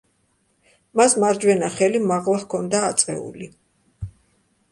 მას მარჯვენა ხელი მაღლა ჰქონდა აწეული.